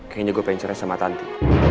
kayaknya gue pengen cerai sama tanti